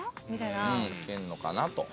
いけんのかなと。